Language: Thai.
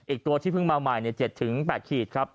อีกตัวที่เพิ่งมาใหม่๗๘ขีดครับ